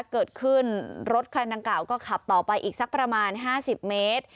เกิดขึ้นรถคันดังกล่าวก็ขับต่อไปอีกสักประมาณ๕๐เมตร